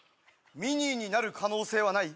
ミニーになる可能性はない？